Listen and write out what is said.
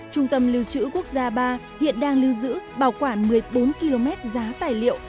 trung tâm lưu trữ quốc gia ba hiện đang lưu giữ bảo quản một mươi bốn km giá tài liệu